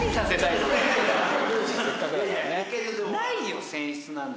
ないよ泉質なんて。